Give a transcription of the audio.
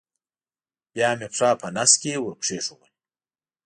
بیا مې پښه په نس کې ور کېښوول.